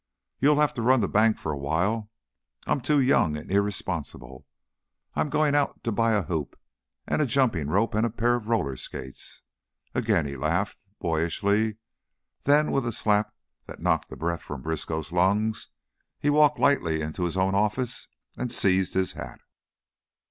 You'll have to run the bank for a while; I'm too young and irresponsible. I'm going out to buy a hoop and a jumping rope and a pair of roller skates." Again he laughed, boyishly; then, with a slap that knocked the breath from Briskow's lungs, he walked lightly into his own office and seized his hat.